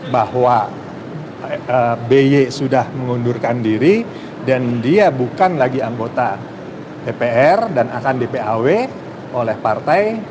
bahwa by sudah mengundurkan diri dan dia bukan lagi anggota dpr dan akan dpaw oleh partai